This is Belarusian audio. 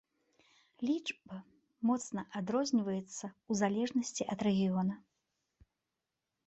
Лічба моцна адрозніваецца ў залежнасці ад рэгіёна.